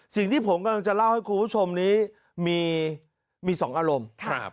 สิ่งที่ผมกำลังจะเล่าให้คุณผู้ชมนี้มี๒อารมณ์